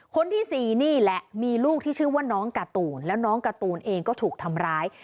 คนที่สี่นี่แหละมีลูกที่ชื่อว่าน้องการ์ตูนแล้วน้องการ์ตูนเองก็ถูกทำร้าย